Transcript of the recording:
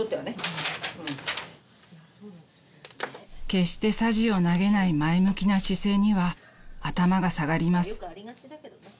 ［決してさじを投げない前向きな姿勢には頭が下がります］